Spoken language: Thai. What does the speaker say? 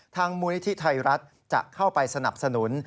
มูลนิธิไทยรัฐจะเข้าไปสนับสนุน